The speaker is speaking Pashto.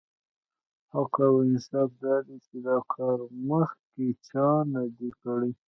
حق او انصاف دا دی چې دا کار مخکې چا نه دی کړی.